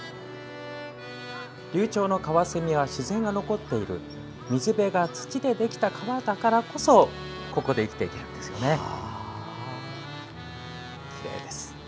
留鳥のカワセミは自然が残っている水辺が土でできた川だからこそここで生きていけるんですよね。